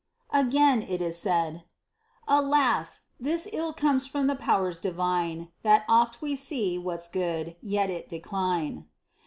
Again it is said, Alas ! this ill comes from the powers divine, That oft we see what's good, yet it decline.